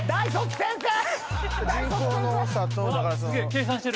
計算してる。